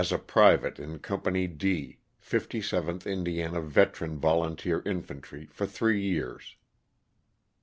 361 private in Company D, 57th Indiana Veteran Volun teer Infantry, for three years.